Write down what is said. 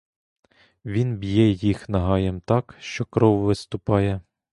Він б'є їх нагаєм так, що кров виступає.